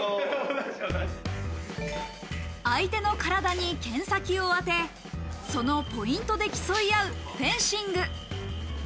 相手の体に剣先を当て、そのポイントで競い合うフェンシング。